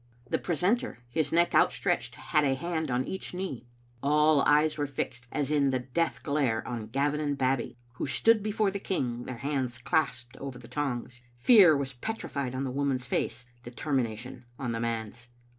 The precentor, his neck outstretched, had a hand on each knee. All eyes were fixed, as in the death glare, on Gavin and Babbie, who stood before the king, their hands clasped over the tongs. Pear was petrified on the woman's face, determination on the man's.